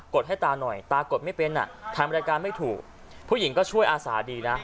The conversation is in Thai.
ดให้ตาหน่อยตากดไม่เป็นอ่ะทำรายการไม่ถูกผู้หญิงก็ช่วยอาสาดีนะ